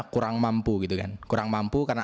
kurang mampu gitu kan kurang mampu karena